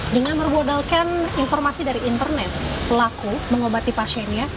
dengan bermodalkan informasi dari internet pelaku mengobati pasiennya